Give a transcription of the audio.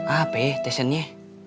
apa ya tesnya